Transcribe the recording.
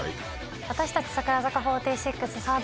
私たち櫻坂４６３ｒｄ